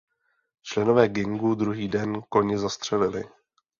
Členové gangu druhý den koně zastřelili.